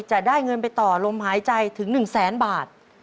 จะได้เงินไปต่อลมหายใจถึง๑แสนบาท